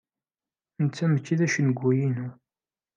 Netta mačči d acengu-inu.